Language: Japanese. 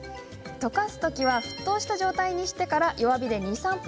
溶かすときは沸騰した状態にしてから弱火で２３分